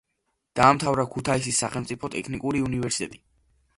დაამთავრა ქუთაისის სახელმწიფო ტექნიკური უნივერსიტეტი.